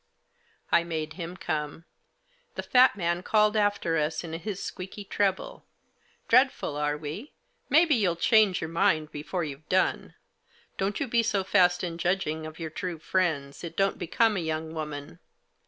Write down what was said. I made him come. The fat man called after us — in his squeaky treble. "Dreadful, are we? Maybe you'll change your mind before you've done. Don't you be so fast in judging of your true friends, it don't become a young woman.